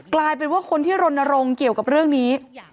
กลายเป็นว่าคนที่รณรงค์เกี่ยวกับเรื่องนี้